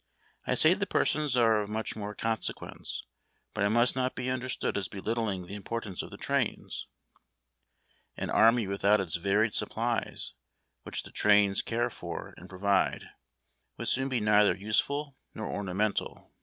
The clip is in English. I say the persons are of much more consequence, but I must not be understood as belittling the importance of the trains. An army without its varied supplies, which the trains care for and provide, would soon be neither useful nor ornamental.